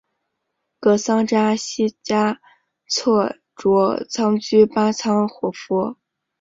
噶桑扎西嘉措卓仓居巴仓活佛。